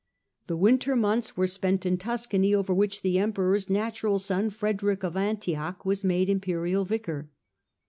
The winter months THE DEPOSED EMPEROR 249 were spent in Tuscany, over which the Emperor's natural son, Frederick of Antioch, was made Imperial Vicar.